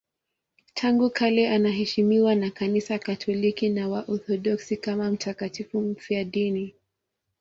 Tangu kale anaheshimiwa na Kanisa Katoliki na Waorthodoksi kama mtakatifu mfiadini.